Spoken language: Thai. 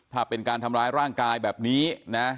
ถ้าเป็นการทำร้ายร่างกายแบบนี้นะ